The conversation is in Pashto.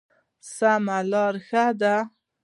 سمه لاره ښه ده.